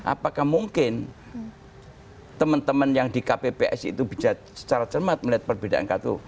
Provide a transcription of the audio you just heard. apakah mungkin teman teman yang di kpps itu bisa secara cermat melihat perbedaan kartu